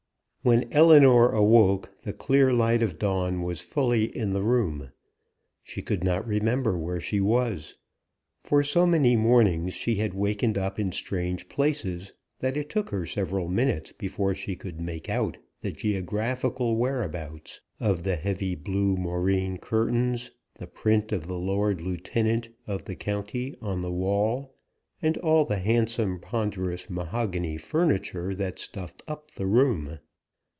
When Ellinor awoke the clear light of dawn was fully in the room. She could not remember where she was; for so many mornings she had wakened up in strange places that it took her several minutes before she could make out the geographical whereabouts of the heavy blue moreen curtains, the print of the lord lieutenant of the county on the wall, and all the handsome ponderous mahogany furniture that stuffed up the room.